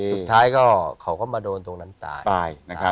สุดท้ายก็เขาก็มาโดนตรงนั้นตาย